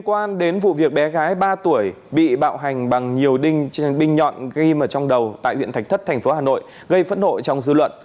quan đến vụ việc bé gái ba tuổi bị bạo hành bằng nhiều đinh trên bình nhọn ghim ở trong đầu tại huyện thạch thất thành phố hà nội gây phẫn nộ trong dư luận